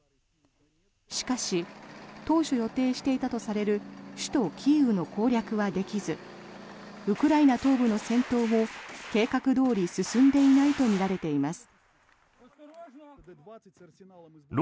しかし当初予定していたとされる首都キーウの攻略はできずウクライナ東部の戦闘も計画どおり進んでいないとみられています。